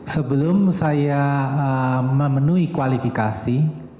sebelum saya memenuhi kualifikasi